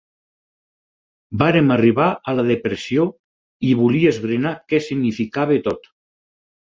Vàrem arribar a la depressió i volia esbrinar què significava tot.